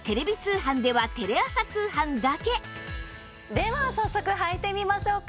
では早速履いてみましょうか。